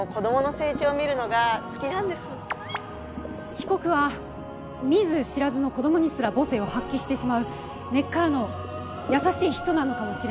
被告は見ず知らずの子供にすら母性を発揮してしまう根っからの優しい人なのかもしれません。